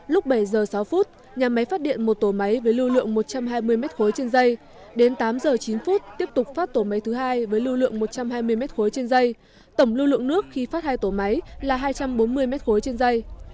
lúc bảy giờ sáu phút nhà máy phát điện một tổ máy với lưu lượng một trăm hai mươi m ba trên dây đến tám giờ chín phút tiếp tục phát tổ máy thứ hai với lưu lượng một trăm hai mươi m ba trên dây tổng lưu lượng nước khi phát hai tổ máy là hai trăm bốn mươi m ba trên dây